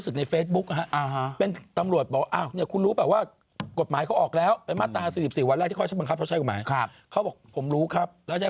เขาบอกผมรู้ครับแล้วจะให้พวกผมทำยังไง